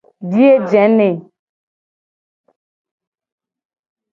Biye je ne.